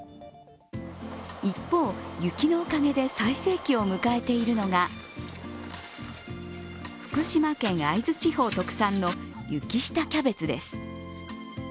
一方、雪のおかげで最盛期を迎えているのが福島県・会津地方特産の雪下キャベツです。